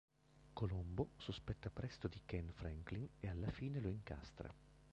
Colombo sospetta presto di Ken Franklin e alla fine lo incastra.